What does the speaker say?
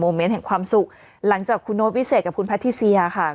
เมนต์แห่งความสุขหลังจากคุณโน้ตวิเศษกับคุณแพทิเซียค่ะ